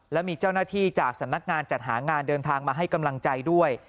และมีเจ้าหน้าที่จากสำนักงานจัดหางานเดินทางมาให้กำลังใจด้วย